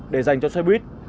để dành cho xe buýt